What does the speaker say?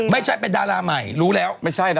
ไม่ใช่เป็นดาราใหม่รู้แล้ว